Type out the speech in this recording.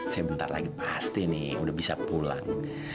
saya bentar lagi pasti nih udah bisa pulang